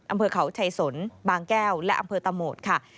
อำเภอเขาชัยสนบางแก้วและอำเภอตะโหมดค่ะ